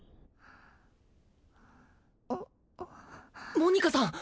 モニカさん